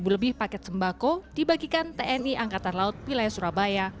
dua ribu lebih paket sembako dibagikan tni angkatan laut wilayah surabaya